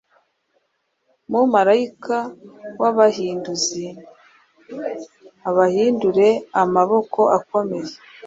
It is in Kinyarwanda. Umumarayika w'Abahinduzi abahindure amaboko akomeye,